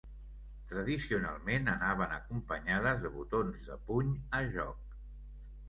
Tradicionalment anaven acompanyades de botons de puny a joc.